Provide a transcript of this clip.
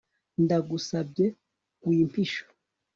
ndagusabye wimpisha